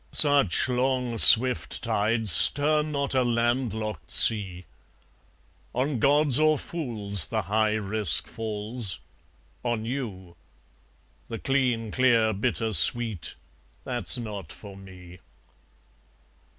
Such long swift tides stir not a land locked sea. On gods or fools the high risk falls on you The clean clear bitter sweet that's not for me.